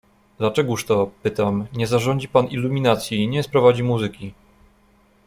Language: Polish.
„Dlaczegóż to — pytam — nie zarządzi pan iluminacji i nie sprowadzi muzyki?”.